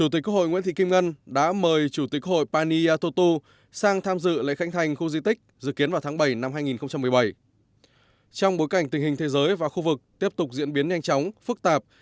trong bối cảnh tình hình thế giới và khu vực tiếp tục diễn biến nhanh chóng phức tạp